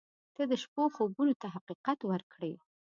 • ته د شپو خوبونو ته حقیقت ورکړې.